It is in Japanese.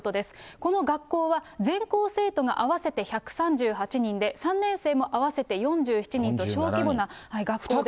この学校は全校生徒が合わせて１３８人で、３年生も合わせて４７人と、小規模な学校で。